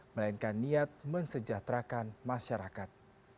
melainkan niat mensejahterakan masyarakat